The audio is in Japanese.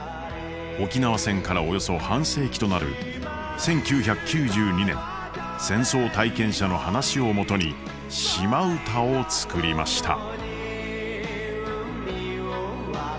沖縄戦からおよそ半世紀となる１９９２年戦争体験者の話を基に「島唄」を作りました。